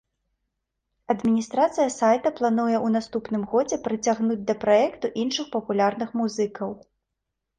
Адміністрацыя сайта плануе ў наступным годзе прыцягнуць да праекту іншых папулярных музыкаў.